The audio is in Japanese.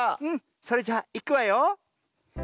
うんそれじゃあいくわよ。